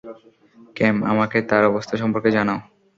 ক্যাম, আমাকে তার অবস্থা সম্পর্কে জানাও।